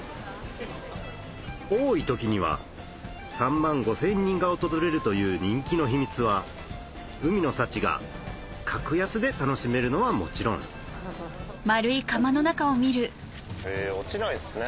多い時には３万５０００人が訪れるという人気の秘密は海の幸が格安で楽しめるのはもちろん落ちないんですね。